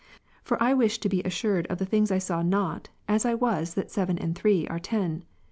For I wished to be as assured of the things I saw not, as I , was that seven and three are ten.